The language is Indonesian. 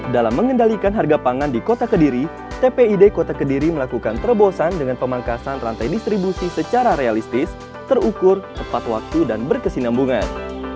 dalam mengendalikan harga pangan di kota kediri tpid kota kediri melakukan terobosan dengan pemangkasan rantai distribusi secara realistis terukur tepat waktu dan berkesinambungan